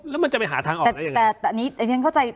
แล้วมันจะไปหาทางออกได้ยังไงแต่แต่นี้แต่นี้ยังเข้าใจ